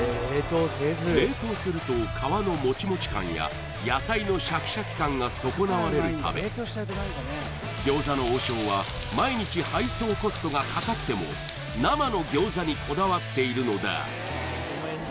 冷凍すると皮のモチモチ感や野菜のシャキシャキ感が損なわれるため餃子の王将は毎日配送コストがかかっても果たして！？